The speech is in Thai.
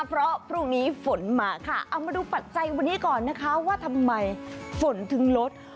เพราะพรุ่งนี้ฝนมาค่ะเอามาดูปัจจัยวันนี้ก่อนนะคะว่าทำไมฝนถึงลด